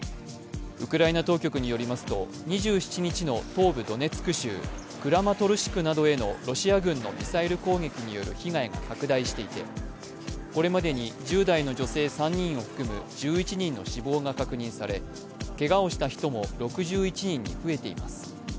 ウクライナ当局によりますと２７日の東部ドネツク州クラマトルシクなどへのロシア軍のミサイル攻撃による被害が拡大していてこれまでに１０代の女性３人を含む１１人の死亡が確認されけがをした人も６１人に増えています。